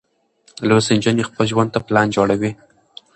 لوستې نجونې خپل ژوند ته پلان جوړوي.